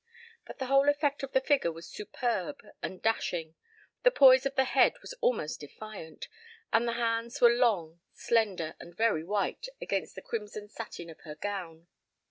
But the whole effect of the figure was superb and dashing, the poise of the head was almost defiant, and the hands were long, slender, and very white against the crimson satin of her gown.